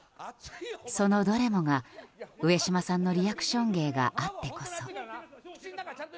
そのどれもが、上島さんのリアクション芸があってこそ。